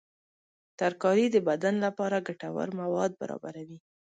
ترکاري د بدن لپاره ګټور مواد برابروي.